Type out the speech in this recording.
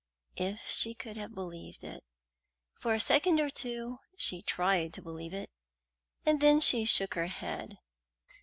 If she could have believed it! For a second or two she tried to believe it, and then she shook her head.